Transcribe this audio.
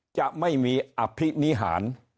จะไม่มีอภินิหาร